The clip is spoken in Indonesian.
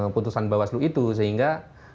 putusan bawah slu itu sehingga